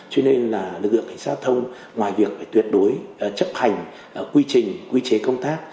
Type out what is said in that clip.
cho nên là lực lượng cảnh sát giao thông ngoài việc phải tuyệt đối chấp hành quy trình quy chế công tác